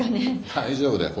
大丈夫だよ。